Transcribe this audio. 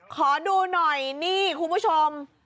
ขอดูหน่อยนี่คุณผู้ชม